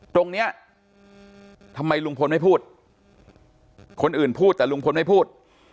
ตรงนี้ทำไมลุงพลไม่พูดคนอื่นพูดแต่ลุงพลไม่พูด